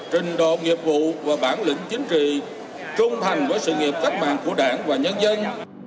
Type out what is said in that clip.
trình độ nghiệp vụ và bản lĩnh chính trị trung hành với sự nghiệp cách mạng của đảng và nhân dân